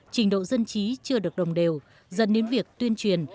trình độ dân trí chưa được đồng đều dẫn đến việc tuyên truyền